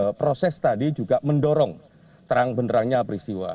saya kira proses tadi juga mendorong terang penderangnya peristiwa